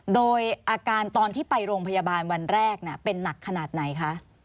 โดยอาการตอนที่ไปโรงพยาบาลวันแรกเป็นหนักขนาดไหนคะ